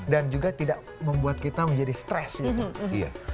dan juga tidak membuat kita menjadi stress gitu